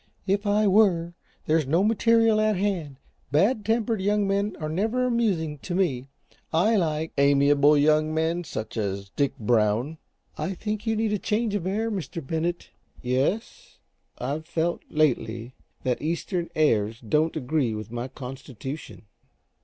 "If I were, there's no material at hand. Bad tempered young men are never amusing, to me. I like " "Amiable young men. Such as Dick Brown." "I think you need a change of air, Mr. Bennett." "Yes? I've felt, lately, that Eastern airs don't agree with my constitution."